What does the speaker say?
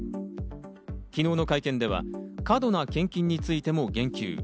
昨日の会見では過度な献金についても言及。